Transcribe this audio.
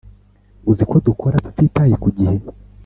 uziko dukora tutitaye kugihe